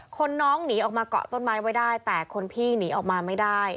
คนน้องหนีออกมาเกาะต้นไม้ไว้ได้แต่คนพี่หนีออกมาไม่ได้